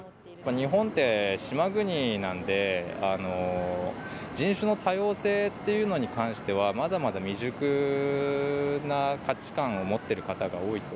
日本って、島国なんで、人種の多様性っていうのに関しては、まだまだ未熟な価値観を持ってる方が多いと。